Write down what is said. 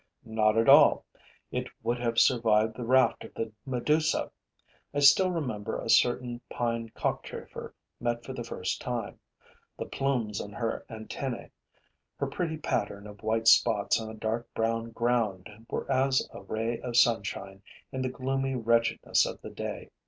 Not at all. It would have survived the raft of the Medusa. I still remember a certain pine cockchafer met for the first time. The plumes on her antennae, her pretty pattern of white spots on a dark brown ground were as a ray of sunshine in the gloomy wretchedness of the day.